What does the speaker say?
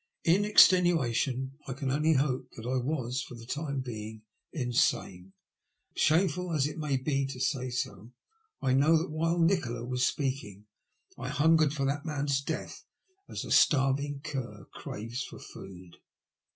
In extenuation, I can only hope that I was, for the time being, insane. Shameful as it may be to say so, I know that while Nikola was speaking, I hungered for that man's death as a starving cur craves for food.